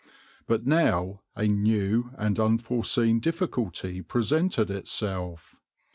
But now a new and unforeseen difficulty presented itself.